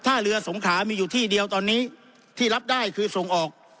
ถ้าเรือสงขามีอยู่ที่เดียวตอนนี้ที่รับได้คือส่งออก